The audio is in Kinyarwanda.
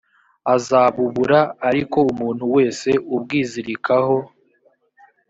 azabubura ariko umuntu wese ubwizirikaho